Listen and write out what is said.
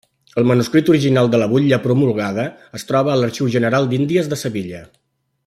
El manuscrit original de la butlla promulgada es troba a l'Arxiu General d'Índies de Sevilla.